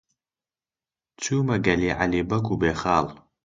چوومە گەلی عەلی بەگ و بێخاڵ.